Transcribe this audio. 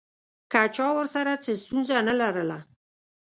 که چا ورسره څه ستونزه نه لرله.